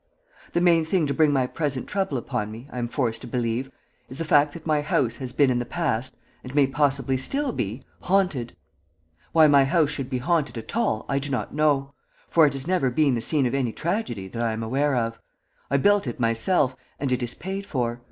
The main thing to bring my present trouble upon me, I am forced to believe, is the fact that my house has been in the past, and may possibly still be, haunted. Why my house should be haunted at all I do not know, for it has never been the scene of any tragedy that I am aware of. I built it myself, and it is paid for.